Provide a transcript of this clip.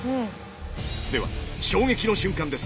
では衝撃の瞬間です。